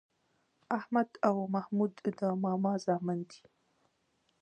احمد او محمود د ماما زامن دي.